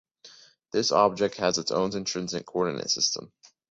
This object has its own intrinsic coordinate system.